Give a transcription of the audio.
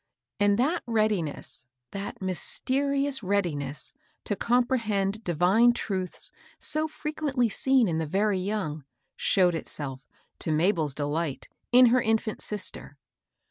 And that read iness, that mysterious readiness to comprehend di vine truths so frequently seen in the very young, showed itself, to Mabel's delight, in her infant sis ter.